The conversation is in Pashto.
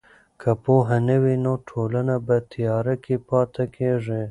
که پوهه نه وي نو ټولنه په تیاره کې پاتې کیږي.